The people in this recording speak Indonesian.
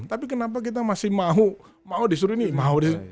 tapi kenapa kita masih mau mau disuruh ini mau disuruh